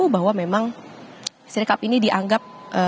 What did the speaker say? bahwa memang sikap ini dianggap